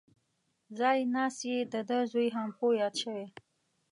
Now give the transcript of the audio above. ځای ناست یې دده زوی هامپو یاد شوی.